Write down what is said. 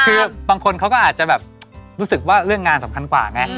คือบางคนเขาก็อาจจะแบบรู้สึกว่าเรื่องงานสำคัญกว่าไง